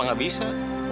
itu gak bisa